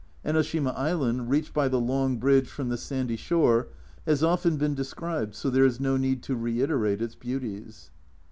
Enoshima island, reached by the long bridge from the sandy shore, has often been described, so there is no need to reiterate its beauties.